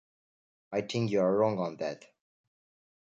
I think you are wrong on that.